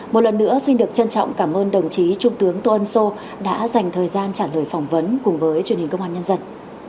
một lần nữa xin được trân trọng cảm ơn đồng chí trung tướng tô ân sô đã dành thời gian trả lời phỏng vấn cùng với truyền hình công an nhân dân